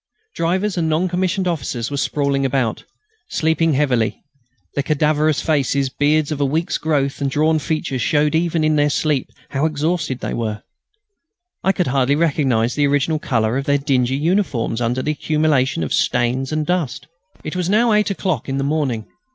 Drivers and non commissioned officers were sprawling about, sleeping heavily. Their cadaverous faces, beards of a week's growth and drawn features showed even in their sleep how exhausted they were. I could hardly recognise the original colour of their dingy uniforms under the accumulation of stains and dust. It was now eight o'clock in the morning.